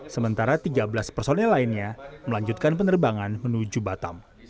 sementara tiga belas personel lainnya melanjutkan penerbangan menuju batam